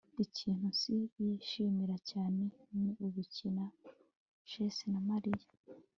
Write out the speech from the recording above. Ikintu S yishimira cyane ni ugukina chess na Mariya